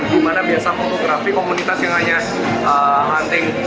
bagaimana biasa fotografi komunitas yang hanya hunting